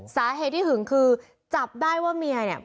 สาเหตุที่หึงคือจับได้ว่าเมียเนี่ย